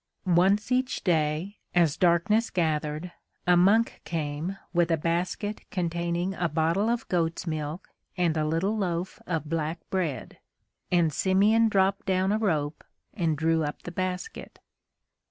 Once each day, as darkness gathered, a monk came with a basket containing a bottle of goat's milk and a little loaf of black bread, and Simeon dropped down a rope and drew up the basket.